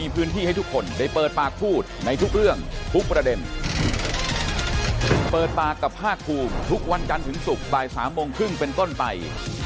โปรดติดตามตอนต่อไป